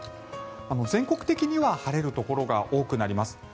全国的には晴れるところが多くなります。